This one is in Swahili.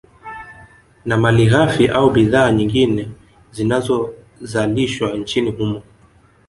Na malighafi au bidhaa nyingine zinazozalishwa nchini humo